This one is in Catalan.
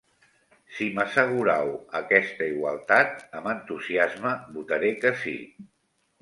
Si m'assegurau aquesta igualtat, amb entusiasme votaré que sí.